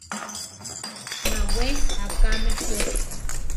Má wé akáme jú.